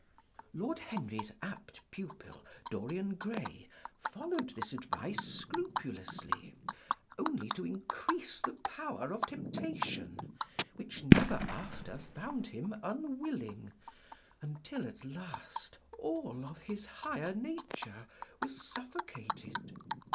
Lord Henry's apt pupil, Dorian Gray, followed this advice scrupulously, only to increase the power of temptation, which never after found him unwilling, until at last all of his higher nature was suffocated.